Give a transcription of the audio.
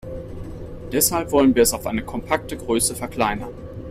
Deshalb wollen wir es auf eine kompakte Größe verkleinern.